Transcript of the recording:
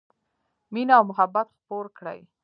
مینه او محبت خپور کړئ